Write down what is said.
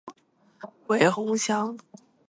韦宏翔